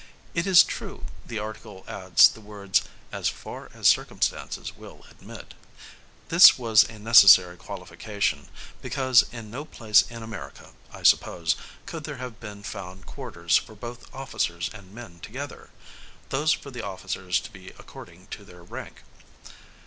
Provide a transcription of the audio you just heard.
It is true, the article adds the words, 'as far as circumstances will admit.' This was a necessary qualification; because, in no place in America, I suppose, could there have been found quarters for both officers and men together; those for the officers to be according to their rank.